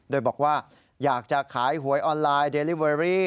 โดยบอกว่าอยากจะขายหวยออนไลน์เดลิเวอรี่